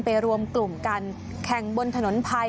รวมกลุ่มกันแข่งบนถนนภัย